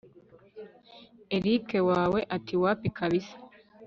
erick nawe ati wapi kabsa